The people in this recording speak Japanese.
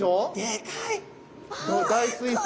巨大水槽。